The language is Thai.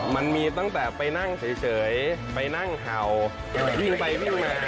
มันมีตั้งแต่ไปนั่งเฉยไปนั่งเห่าวิ่งไปวิ่งมา